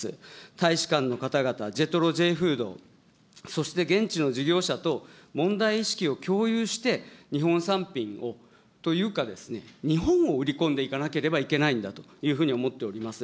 大使館の方々、ＪＥＴＲＯＪフード、そして現地の事業者と問題意識を共有して、日本産品を、というかですね、日本を売り込んでいかなければいけないんだというふうに思っております。